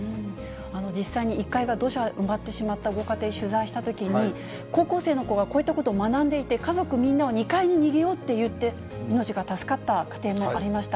実際に１階が土砂に埋まってしまったご家庭、取材したときに、高校生の子がこういったことを学んでいて、家族みんなを２階に逃げようって言って、命が助かった家庭もありました。